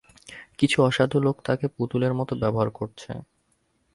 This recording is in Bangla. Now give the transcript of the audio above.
কিছু অসাধু লোক তাকে পুতুলের মতো ব্যবহার করছে।